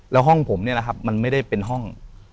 แล้วห้องผมเนี่ยนะครับมันไม่ได้เป็นห้อง